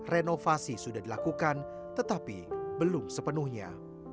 dan juga sudah bercobaan mengunduhi loyangnya